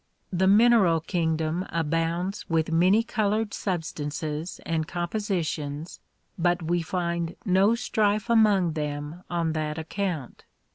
The mineral kingdom abounds with many colored substances and compositions but we find no strife among them on that account.